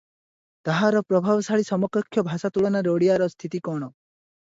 ତାହାର ପ୍ରଭାବଶାଳୀ ସମକକ୍ଷ ଭାଷା ତୁଳନାରେ ଓଡ଼ିଆର ସ୍ଥିତି କଣ?